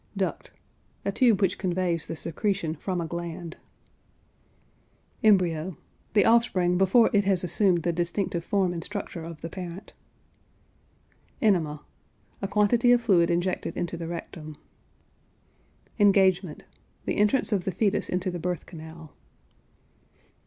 DUCT. A tube which conveys the secretion from a gland. EMBRYO. The offspring before it has assumed the distinctive form and structure of the parent. ENEMA. A quantity of fluid injected into the rectum. ENGAGEMENT. The entrance of the fetus into the birth canal.